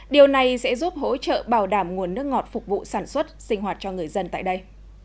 điều này sẽ giúp hỗ trợ bảo đảm nguồn nước ngọt phục vụ sản xuất sinh hoạt cho người dân tại đây